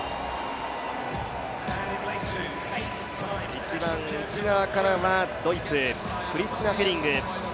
一番内側からはドイツクリスティナ・ヘリング。